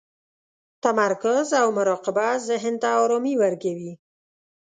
تمرکز او مراقبه ذهن ته ارامي ورکوي.